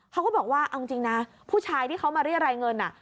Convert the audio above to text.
เขาก็บอกว่าเอาจริงนะผู้ชายที่เขามาเรียกรายเงิน